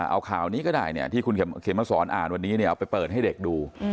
เอาข่าวนี้ก็ได้ที่คุณเขมศรอาณวันนี้เอาไปเปิดให้เด็กดู